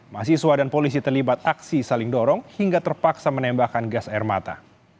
mahasiswa dan polisi terlibat aksi saling dorong hingga terpaksa menembakkan gas air mata